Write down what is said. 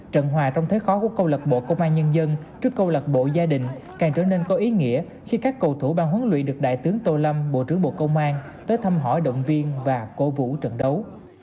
trận hòa trong thế khó của câu lạc bộ công an nhân dân trước câu lạc bộ gia đình càng trở nên có ý nghĩa khi các cầu thủ ban huấn luyện được đại tướng tô lâm bộ trưởng bộ công an tới thăm hỏi động viên và cổ vũ trận đấu